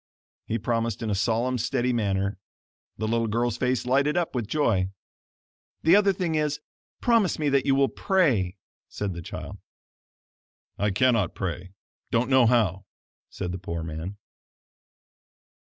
He promised in a solemn, steady manner. The little girl's face lighted up with joy. "The other thing is, promise me that you will PRAY," said the child. "I cannot pray; don't know how," said the poor man.